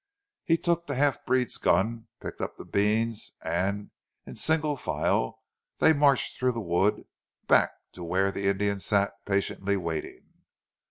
He took the half breed's gun, picked up the beans, and in single file they marched through the wood back to where the Indian sat patiently waiting.